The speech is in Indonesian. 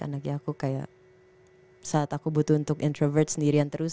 anaknya aku kayak saat aku butuh untuk introvert sendirian terus